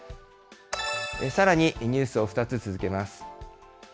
さらに、ニュースを２つ続けます。